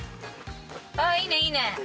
あっいいねいいね。